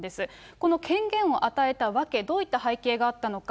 この権限を与えたわけ、どういった背景があったのか。